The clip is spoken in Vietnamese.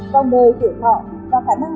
vòng đời thể thọ và khả năng